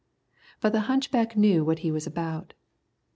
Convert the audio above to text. But the hunchback knew what he was about.